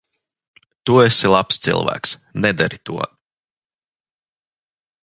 Tu esi labs cilvēks. Nedari to.